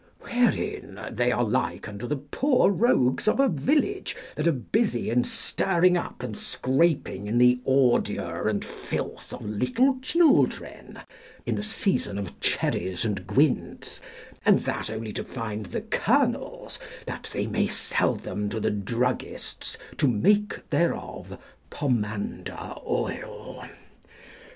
Wherein they are like unto the poor rogues of a village that are busy in stirring up and scraping in the ordure and filth of little children, in the season of cherries and guinds, and that only to find the kernels, that they may sell them to the druggists to make thereof pomander oil.